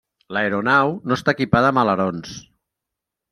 L'aeronau no està equipada amb alerons.